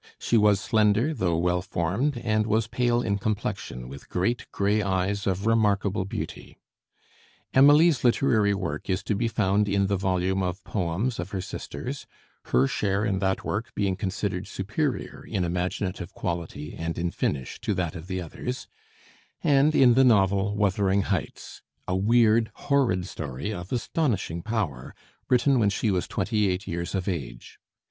She was slender, though well formed, and was pale in complexion, with great gray eyes of remarkable beauty. Emily's literary work is to be found in the volume of "Poems" of her sisters, her share in that work being considered superior in imaginative quality and in finish to that of the others; and in the novel "Wuthering Heights," a weird, horrid story of astonishing power, written when she was twenty eight years of age.